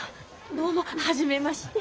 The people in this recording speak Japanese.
どうも初めまして。